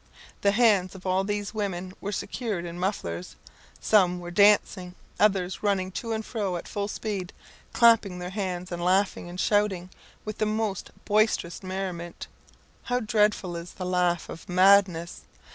The hands of all these women were secured in mufflers; some were dancing, others running to and fro at full speed, clapping their hands, and laughing and shouting with the most boisterous merriment. How dreadful is the laugh of madness!